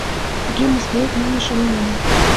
Тыге мыскылет манын шонен омыл.